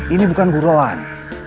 ini bukan buruan